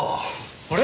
あれ？